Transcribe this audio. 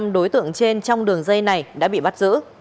năm đối tượng trên trong đường dây này đã bị bắt giữ